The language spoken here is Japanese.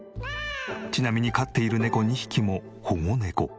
ちなみに飼っている猫２匹も保護猫。